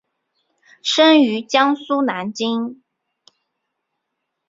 生于江苏南京。